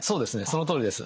そのとおりです。